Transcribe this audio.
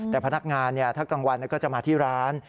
แต่พนักงานถ้ากลางวันก็จะมาที่ร้าน